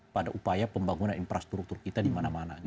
pada upaya pembangunan infrastruktur kita di mana mana